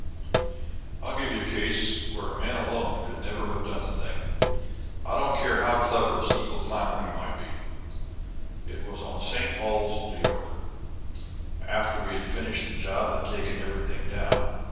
"I'll give you a case where a man alone could never have done the thing, I don't care how clever a steeple climber he might be. It was on St. Paul's, New York, after we had finished the job and taken everything down.